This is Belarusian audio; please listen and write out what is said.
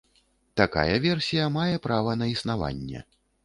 Такая версія мае права на існаванне.